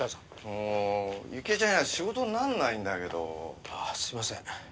もう雪江ちゃんいないと仕事になんないんだけど。すいません。